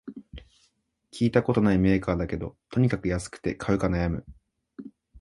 聞いたことないメーカーだけど、とにかく安くて買うか悩む